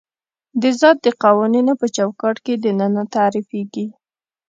د ذات د قوانینو په چوکاټ کې دننه تعریفېږي.